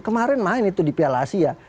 kemarin main itu di piala asia